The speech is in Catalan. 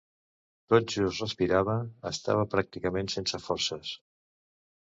Tot just respirava, estava pràcticament sense forces.